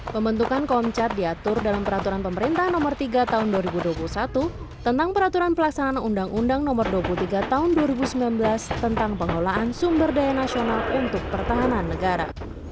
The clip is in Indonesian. pembentukan komcat diatur dalam peraturan pemerintah nomor tiga tahun dua ribu dua puluh satu tentang peraturan pelaksanaan undang undang no dua puluh tiga tahun dua ribu sembilan belas tentang pengelolaan sumber daya nasional untuk pertahanan negara